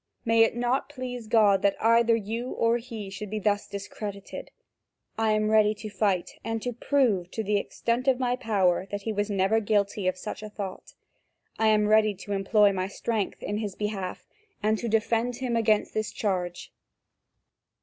May it not please God that either you or he should be thus discredited! I am ready to fight and to prove to the extent of my power that he never was guilty of such a thought. I am ready to employ my strength in his behalf, and to defend him against this charge."